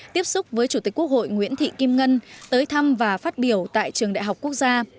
tiếp xúc với chủ tịch quốc hội nguyễn thị kim ngân tới thăm và phát biểu tại trường đại học quốc gia